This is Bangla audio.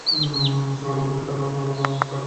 সকালের মধ্যে তারা ওর কাটা মাথা নিয়ে আসবে।